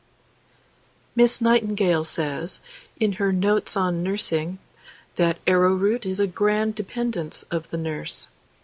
MISS NIGHTINGALE says, in her "Notes on Nursing," that arrowroot is a grand dependence of the nurse.